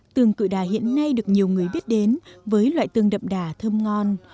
tương tự đà hiện nay được nhiều người biết đến với loại tương đậm đà thơm ngon